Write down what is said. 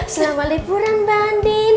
selamat liburan bandin